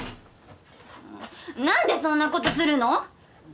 何でそんなことするの！？